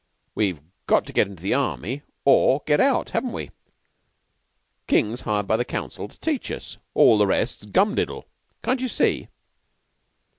We've got to get into the Army or get out, haven't we? King's hired by the Council to teach us. All the rest's gumdiddle. Can't you see?"